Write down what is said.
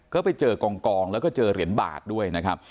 ก็ไปเจอกองแล้วก็เจอเหรียญบาทด้วยนะครับ